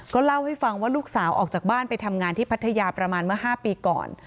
เล่าให้ฟังว่าลูกสาวออกจากบ้านไปทำงานที่พัทยาประมาณเมื่อ๕ปีก่อน